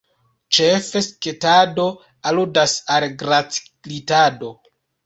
Ĉefe, sketado aludas al glaci-glitado.